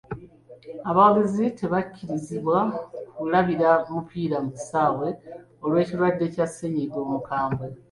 Abawagizi tebakirizibwa kulabira mupiira mu kisaawe olw'ekirwadde Kya ssenyiga omukambwe.